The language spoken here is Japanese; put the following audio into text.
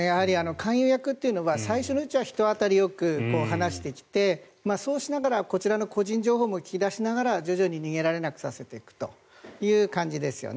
勧誘役というのは最初のうちは人当たりよく話してきてそうしながらこちらの個人情報も聞き出しながら徐々に逃げられなくさせていくという感じですよね。